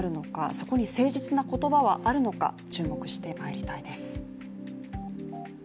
そこに誠実な言葉はあるのか注目してまいりたいです。